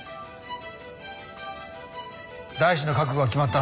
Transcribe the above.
大志の覚悟は決まった。